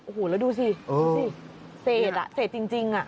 โอ้โฮแล้วดูสิเสร็จจริง